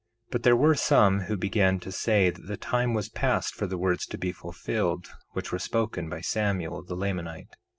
1:5 But there were some who began to say that the time was past for the words to be fulfilled, which were spoken by Samuel, the Lamanite.